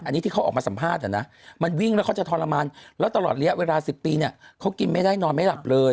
อันนี้ที่เขาออกมาสัมภาษณ์นะมันวิ่งแล้วเขาจะทรมานแล้วตลอดระยะเวลา๑๐ปีเนี่ยเขากินไม่ได้นอนไม่หลับเลย